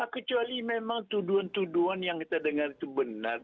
kecuali memang tuduhan tuduhan yang kita dengar itu benar